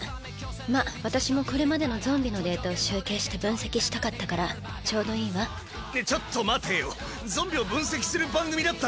まっ私もこれまでのゾンビのデータを集計して分析したかったからちょうどいいわちょっと待てよゾンビを分析する番組だったの？